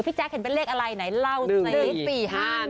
พี่แจ๊คเห็นเป็นเลขอะไรไหนเล่าสิ